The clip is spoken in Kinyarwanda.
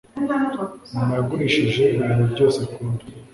Mama yagurishije ibintu byose akunda